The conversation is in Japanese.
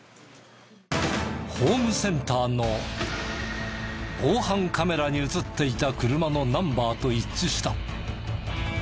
ホームセンターの防犯カメラに映っていた車のナンバーと一致した。